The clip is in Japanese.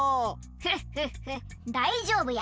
フッフッフだいじょうぶや。